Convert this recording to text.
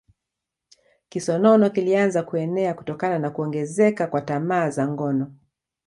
Kisonono kilianza kuenea kutokana na kuongezeka kwa tamaa za ngono